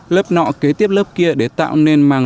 lớp nọ kế tiếp lớp màng